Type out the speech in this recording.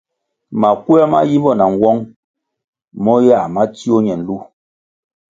Makuer ma yimbo na nwông mo yáh ma tsio ñe nlu.